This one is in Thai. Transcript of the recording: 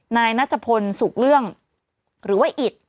นายนัทพลสุขเรื่องหรือว่าอิต